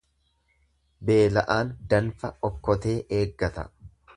Beela'aan danfa okkotee eeggata.